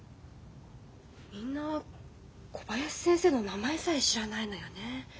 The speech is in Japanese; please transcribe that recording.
みんな小林先生の名前さえ知らないのよね。